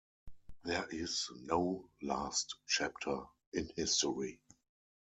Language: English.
There is no last chapter in history.